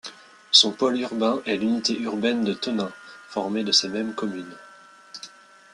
Son pôle urbain est l'unité urbaine de Tonneins, formée de ces mêmes communes.